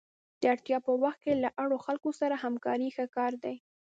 د اړتیا په وخت کې له اړو خلکو سره همکاري ښه کار دی.